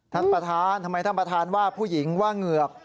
ท่านประธานทำไมท่านประธานว่าผู้หญิงว่าเหงือก